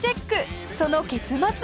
その結末は？